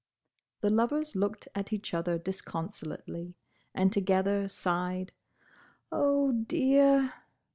—" The lovers looked at each other disconsolately, and together sighed, "Oh, dear!"